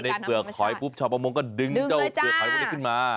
พอไปในเปลือกหอยปุ๊บชาวประมงก็ดึงเจ้าเปลือกหอยขึ้นมา